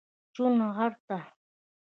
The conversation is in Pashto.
چونغرته